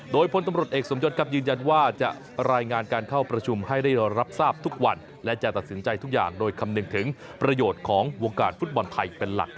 โดยพลตำรวจเอกสมยศยืนยันว่าจะรายงานการเข้าประชุมให้ได้รับทราบทุกวันและจะตัดสินใจทุกอย่างโดยคำนึงถึงประโยชน์ของวงการฟุตบอลไทยเป็นหลัก